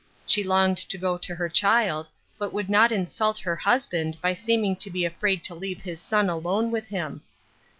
She longed to go to her child, but would not insult her husband by seeming to be afraid to leave his son alone with him.